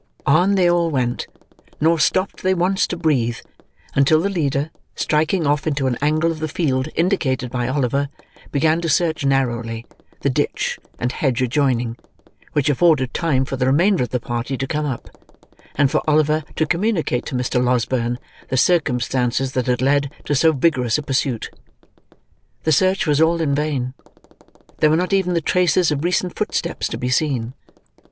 On they all went; nor stopped they once to breathe, until the leader, striking off into an angle of the field indicated by Oliver, began to search, narrowly, the ditch and hedge adjoining; which afforded time for the remainder of the party to come up; and for Oliver to communicate to Mr. Losberne the circumstances that had led to so vigorous a pursuit. The search was all in vain. There were not even the traces of recent footsteps, to be seen.